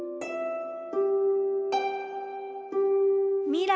未来。